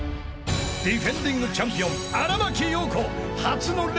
［ディフェンディングチャンピオン］